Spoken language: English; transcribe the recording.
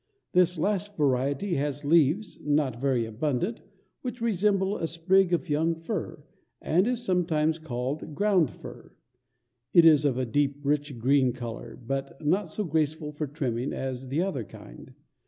This last variety has leaves, not very abundant, which resemble a sprig of young fir, and is sometimes called "ground fir." It is of a deep rich green color, but not so graceful for trimming as the other kind.